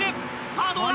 さぁどうだ？